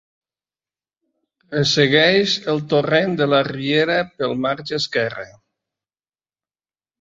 Ressegueix el torrent de la Riera pel marge esquerre.